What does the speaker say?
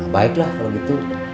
baiklah kalau gitu